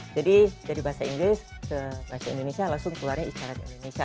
jadi dari bahasa inggris ke bahasa indonesia langsung keluarnya isyarat indonesia